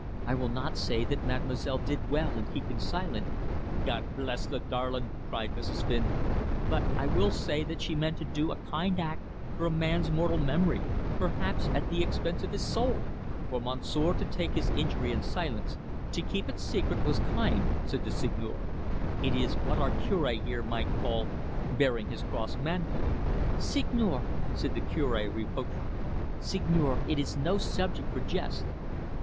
I will not say that mademoiselle did well in keeping silent " "God bless the darlin'!" cried Mrs. Flynn. " but I will say that she meant to do a kind act for a man's mortal memory perhaps at the expense of his soul." "For Monsieur to take his injury in silence, to keep it secret, was kind," said the Seigneur. "It is what our Cure here might call bearing his cross manfully." "Seigneur," said the Cure reproachfully, "Seigneur, it is no subject for jest."